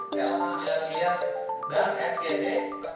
dalam satu triliun dalam sejajar dalam sgd